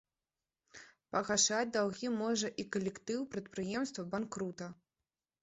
Пагашаць даўгі можа і калектыў прадпрыемства-банкрута.